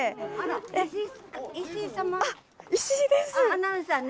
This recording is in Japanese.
アナウンサーね。